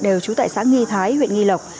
đều trú tại xã nghi thái huyện nghi lộc